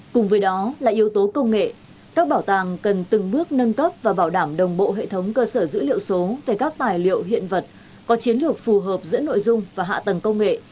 cùng với đó là yếu tố công nghệ các bảo tàng cần từng bước nâng cấp và bảo đảm đồng bộ hệ thống cơ sở dữ liệu số về các tài liệu hiện vật có chiến lược phù hợp giữa nội dung và hạ tầng công nghệ